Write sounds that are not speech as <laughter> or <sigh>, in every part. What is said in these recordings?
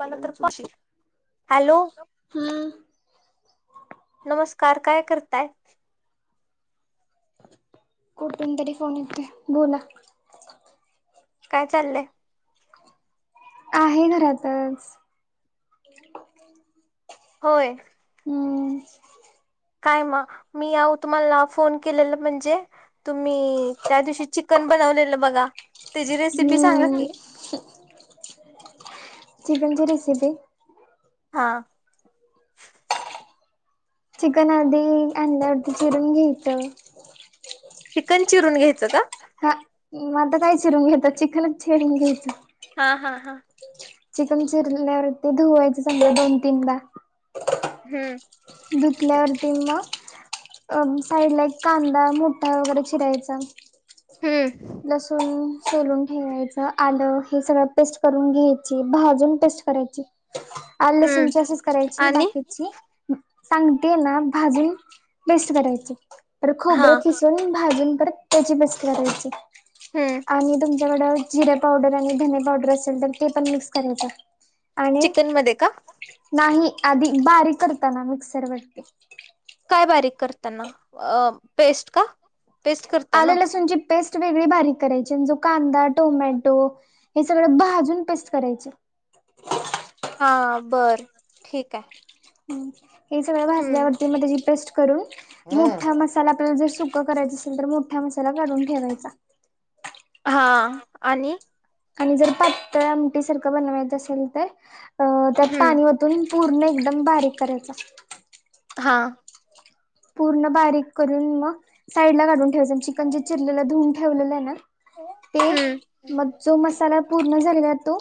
मला तर स्पष्ट हॅलो. हम्म नमस्कार काय करताय? कुठून तरी फोन येतय बोला. काय चाललंय? आहे घरातच. होय. हम्म. काय म मी अवं तुम्हाला फोन केलेला म्हणजे तुम्ही त्या दिवशी चिकन बनवलेलं बघा. त्याची रेसिपी सांगा हम्म की चिकनची रेसिपी. हा. चिकन आधि अंदाज चिरून घ्यायचं. चिकन चिरून घ्यायचं का? हा म आता काय चिरून घेता चिकनच चिरून घ्यायचं. हा हा हा. चिकन चिरल्यावर ते धुवायच समजा दोन तीनदा. हम्म. धुतल्यावरतीं मग अ साईडला एक कांदा मोठा वगैरे चिरायचा. हम्म लसूण सोलून ठेवायचं आलं हे सगळं पेस्ट करून घ्यायची भाजून पेस्ट करायची <inaudible> आल लसूणची असशीच करायची आणि बाकीची सांगते ना भाजून बेस्ट करायच तर हा खोबरं ख भाजून परत त्याची बस् करायची हम्म आणिम डं जिरे पावडर आणि धन पावडर असेल तर ते पण मिक्स करायचं आणि चिकन मध्ये का नाही आधी बारीक करताना मिक्सरवरती. काय बारीक करताना पेस्ट का? पेस्ट करता आले ना लसूणची पेस्ट वेगळी बारीक करायची म्ह जो कांदा, टोमॅटो, हे सगळं भाजून पेस्ट करायचे हा बरं ठीक आहे सगळजल्यावर हम्म म त्या प्रेट करून मसाला आपल्याला जर सुक करायचा असेल तर मोठा मसाला काढून ठेवायचा हा आणि आणि जर पातळ आमटी सारखं बनवायचं असेल तर त्यात हम्म पाणी पूर्ण एकदम बारीक करायचा हां पूर्ण बारीक करून मग साईड ला काढून ठेवायचं चिकन ज चिरलेलं धुवून ठेवलेलं आहे ना ते हम्म म जो मसाला पूर्ण झालेला तो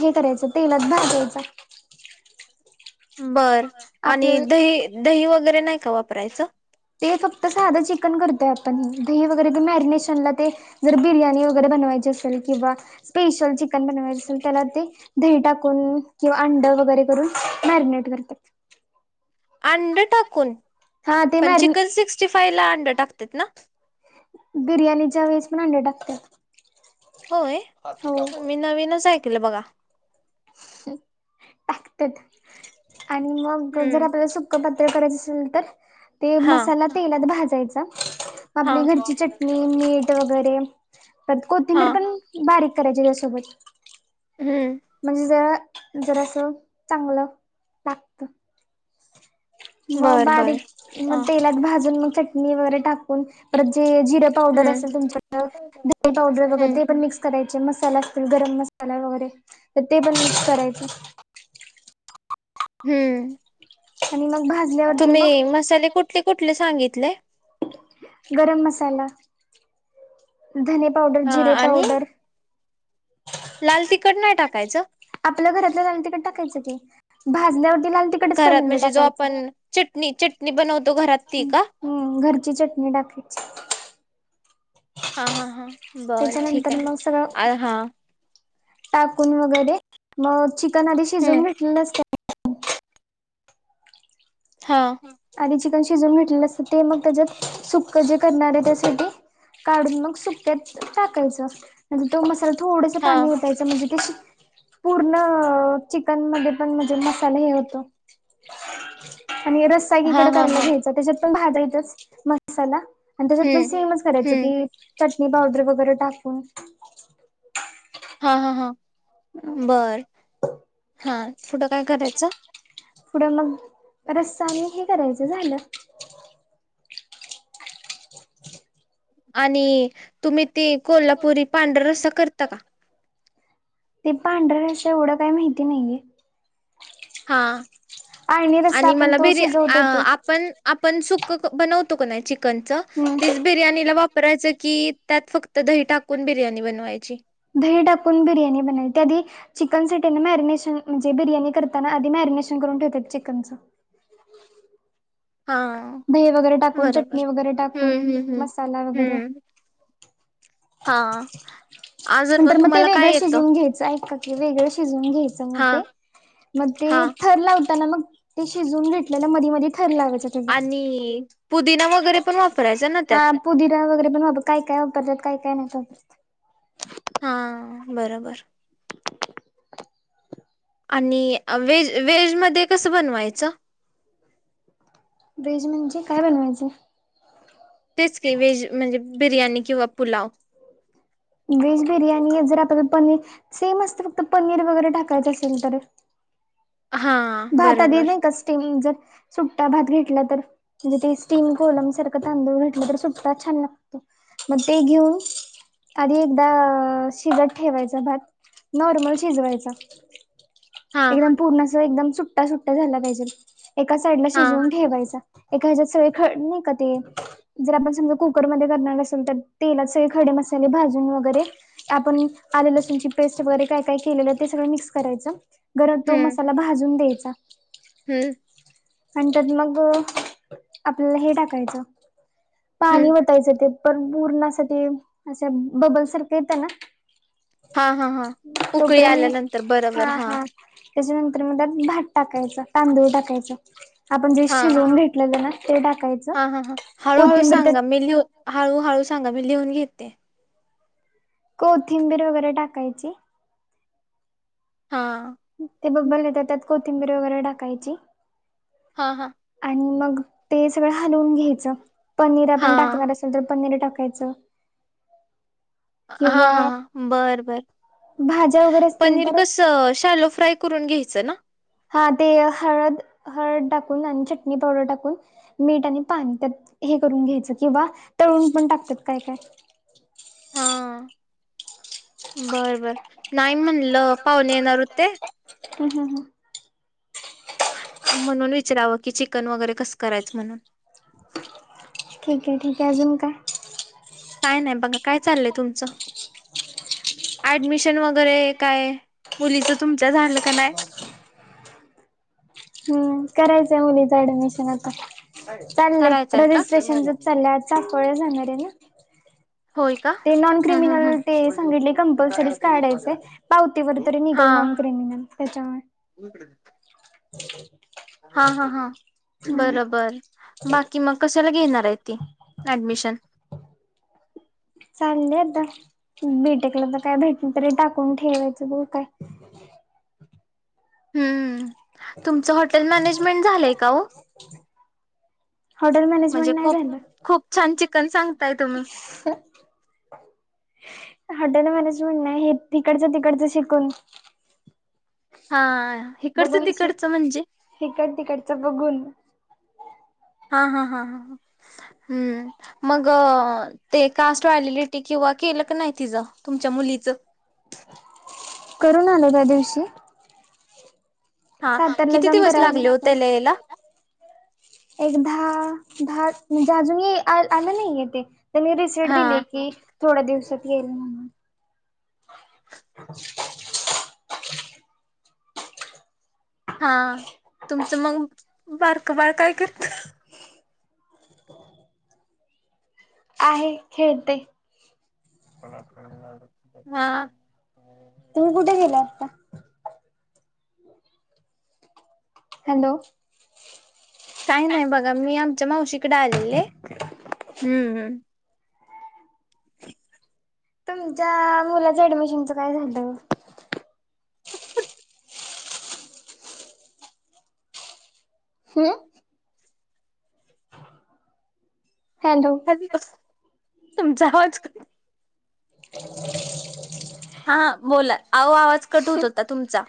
हे करायचा तेलात भाजायचा बर आपल्या आणि दही दही वगैरे नाही का वापरायचं ते फक्त साधं चिकन करतय आपण दही वगैरे मॅरिनेशनला ते जर बिर्याणी वगैरे बनवायची असेल किंवा स्पेशल चिकन बनवायचे असेल त्याला ते दही टाकून किंवा अंड वगैरे करून मॅरिनेट करतात अंड टाकून हा ते पण मॅरिने चिकन सिक्स्टी फाई ला अंड टाकत ना बिर्याणीच्या वेळेस पण अड्या टाकते होय मी नवीनच ऐकलं बघा टाकतात आणि मग जर हम्म आपल्या प्र करायच असेल तर ते हा मसाला तेलात भाजायचा हा आपली घरची चटणी मीठ वगैरे प हा कोथिंबीर पण बारीक करायची त्यासोबत हम्म म्हणजे जर जरा असं चांगलं पत मग बर बर बारीक हा मग तेलात भाजून मग चटणी वगैरे टाकून जे जिर <inaudible> हम्म हम्म करायचे मसाला असतील गरम मसाला वगैरे तर ते पण मिक्स करायचे हम्म आणि मग भाजी तुम्ही मसाले कुठले कुठले सांगितले गरम मसाला धनी पावडर हा जिरे आणि पावडर लाल तिखट नाही टाकायचं आपल्या घरातलं लाल तिकड टाकायचं ते भाजल्यावरती लाल तिकड घरात म्हणजे जो आपण चटणी चटणी बनवतो घरात ती का हम् घरची चटणी टाकायची हा. हा. हा. बर ठीक त्याच्यानंतर आहे मग सगळ आ हा टाकून वगैरे मग चिकन आधी हम्म शिजून घेतलेलं असत. हा. आधी चिकन शिजून घेतलेलं असतं, ते मग त्याच्यात सुक्क जे करणार आहे. त्यासाठी काढून मग सुक्यात टाकायच आणि तो मसाला थोडस हा पाणी ओत. त्याच म्हणजे ते पूर्ण चिकन मध्ये पण म्हणजे मसाला हे होतो. आणि रसा एकी हा इकडं हा करायला हा घ्यायचं त्याच्यात पण भाजायाचाच मसाला आणि त्याच्यात पण हम्म सेमच करायचं हम्म की चटणी पावडर वगैरे टाकून हा हा हा बरं हा कुटं काय करायचं. पुढं मग रसा आणि हे करायचं झालं. आणि तुम्ही ते कोल्हापुरी पांढरा रसा करता का? ते पांढरा रसा एवढं काही माहिती नाहीये. हा. आळणी रस्सा आणि आपण मला तो बिर्या शिजवतो ते आपण आपण सुखं बनवतो का नाही चिकनचं? हम्म. तीच बिर्याणीला वापरायच की त्यात फक्त दही टाकून बिर्याणी बनवायची दही टाकून बिर्याणी बनवली त्या आधी चिकन साठी मॅरिनेशन, म्हणजे बिर्याणी करताना आधी मॅरिनेशन करून ठेवतात. चिकनचं हा. दही वगैरे टाकून बरोबर चटणी वगैरे टाकून हम्म हम्म हम्म मसाला वगैरे. हम्म हा अजून नंतर मग ते तुम्हाला काय वेगळं येतं शिजवून घ्यायचं ऐका. वेगळं शिजवून घ्यायचं मग हा ते, मग ते हा थर लावताना. मग ते शिजून घेतलेलं मधी मधी थर लावायचं. आणि पुदिना वगैरे पण वापरायचा. ना त्यात पुदिरा वगैरे पण वाप काय काय वापरतात काय काय नाही त्यात हा बरोबर आणि व्हेज व्हेजमध्ये कसं बनवायचं. व्हेज म्हणजे काय बनवायचें? तेच की व्हेज म्हणजे बिर्याणी किंवा पुलाव. व्हेज बिर्याणी जर आता पनीर सेम असत, फक्त पनीर वगैरे टाकायचं असेल तर हां भाता बरोबर. देने का कस्टीम जर सुट्टा भात घेतला तर, म्हणजे ते स्टीम कोलम सारखं तांदूळ घेतलं तर सुट्टा छान लागतो. मग ते घेऊन. आधी एकदा शिजत ठेवायचा, भात नॉर्मल शिजवायचा. हां, एकदम पूर्ण एकदम सुट्टा सुट्टा झाला पाहिजे. एका साईडला हां. शिजवून ठेवायचा. एका ह्याच्यात सय खड नाही का ते? जर आपण समजा कुकरमध्ये करणार असेल तर, तेलात सगळे खडे मसाले भाजून वगैरे. आपण आले लसूणची पेस्ट वगैरे काय काय केलेलं ते सगळं मिक्स करायचं. गरम तो मसाला भाजून द्यायचा. हम्म. आणि त्यात मग आपल्याला हे टाकायचं हं. पाणीवर. त्याच ते पण पूर्ण असं ते बबल सारखं येत ना. हा हा हा उकळी आल्यानंतर बरोबर हा. त्याच्यानंतर मग त्यात भात टाकायचं तांदूळ टाकायच. आपण जे शिजवून घेेतलेलं ना ते टाकायच. हा हा हां हळूहळू सांगा मी लिहून घेतेय. कोथिंबीर वगैरे टाकायची. हा. ते बबल येत तर त्यात कोथिंबीरी वगैरे टाकायची. हा हा आणि मग ते सगळं हलवून घ्यायचं पनीर आपण हां. टाकणार असेल तर पनीर टाकायचं हा हा किंवा बर बर भाज्या वगैरे असतील पनीर तर कस शालो फ्राय करून घ्यायचं ना हा ते हळद हळद टाकून आणि चटणी पावडर टाकून मीठ आणि पाणी त्यात हे करून घ्यायचं किंवा तळून पण टाकतात काय काय हा बरं बर नाही म्हणलं पाहुणे येणार हो ते हम् हम हम म्हणून विचारवं की चिकन वगैरे कसं करायचं म्हणून ठीक आहे ठीक आहे अजून का काय नाही बघा काय चाललंय तुमचं ऍडमिशन वगैरे काय मुलीचं तुमच्या झालं का नाही कडम चा करायचंय का साफळ जाणार आहे ना होय का ते नॉन हम् हम् हम् क्रिमिनल ते सांगितले कंपल्सरीच काढायचे पाव ी व तरी निघाल नान करे म म त्याच्यावर मकडेच हम् हा हा हा बरोबर बाकी मग कशाला घेणार आहे ती ऍडमिशन चालले आता बेटेकला तर काय भेटलं तरी टाकून ठेवायचं ब काय हम् तुमचं हॉटेल मॅनेजमेंट झालंय का हो हॉटेल म्हणजे मॅनेजमेंट नाही खूप झालं खूप छान चिकन सांगताय तुम्ही ह हॉटेल मॅनेजमेंट ना हे तिकडचं तिकडचं शिकून हा इकडचं बघून श तिकडचं म्हणजे तिकट तिकडचं बघून हा हा हा हा ह हम्म मग ते कास्ट व्हॅलिडीटी किंवा केलं क नाही तिचं तुमच्या मुलीच करून आले त्या दिवशी हा सातारला किती जाऊ, न दिवस कराव लागले हो लागतं त्याला यायला एक दहा दहा म्हणजे अजूनही आलं नाही आहे ते त्यांनी रिसिट हा दिली कि थोड्या दिवसात येईल, म्हणून हा तुमचं मग बारक बार काय करत आहे खेळते <inaudible> तुम्ही कुठे केेला आता हॅलो काही नाही बघा मी आमच्या मावशीकडे आलेले हम्म् तुमच्या मुलाचं ऍडमिशनचं काय झालं <inaudible> हो हॅलो खा कस तुमचा आवाज क ह हा बोला आहो आवाज कट होत होता तुमचा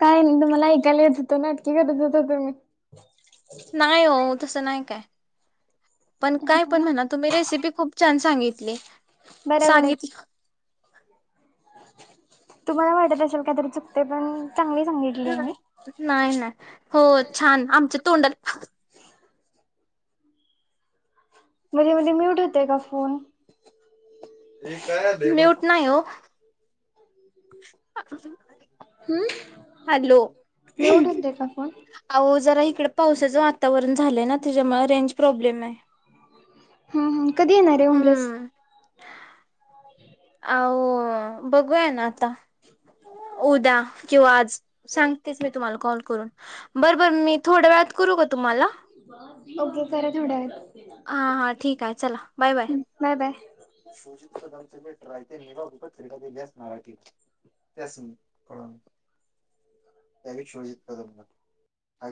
काही नाही तुम्हाला ऐकायला येत होतं नाटकी करत होत तुम्ही नाही हो तस नाही काय पण काय तुम्ही पण म्हणा तुम्ही रेसिपी खूप छान सांगितली बरोबर आहे सांगितली तुम्हाला वाटत असेल काहीतरी चुकते पण चांगल सांगितल. <unintelligible> नाही नाही हो छान आमच्या तोंडाला म्हध्येे म म्यूट होते का फोन. न्यूट नाही हो. ह <inaudible> आतस <inaudible> हम्म. हॅलो. अहो जरा इकडे पावसाचं वातावरण झालंय ना त्याच्यामुळे रेंज प्रॉब्लेम आहे. हम हम कधी येणार आहे उमरस. हम्म ह <inaudible> अ व बघूया ना आता. उद्या किंवा आज सांगतेस मी तुम्हाला कॉल करून बर बर मी. थोड्या वेळात करू का तुम्हाला. ओके करा तेवढ्या वेळात. हा हा ठीक आहे चला बाय बाय. सुजित प्रधान च लेटर हाय तेली गावची पत्रिका दिली असणार आहे ती. त्यास्नी कळल त्या विश्वजीत कदमला.